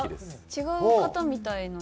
違う方みたいな。